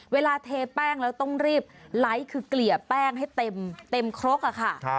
เทแป้งแล้วต้องรีบไลค์คือเกลี่ยแป้งให้เต็มครกอะค่ะ